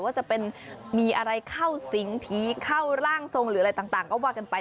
ว่าจะเป็นมีอะไรเข้าสิงผีเข้าร่างทรงหรืออะไรต่างก็ว่ากันไป